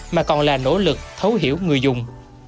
mà còn là nỗ lực thấu hiểu người dùng